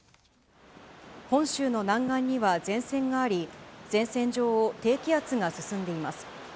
本州の南岸には前線があり、前線上を低気圧が進んでいます。